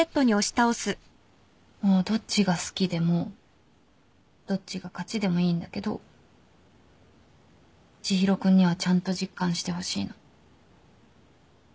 もうどっちが好きでもどっちが勝ちでもいいんだけど知博君にはちゃんと実感してほしいの。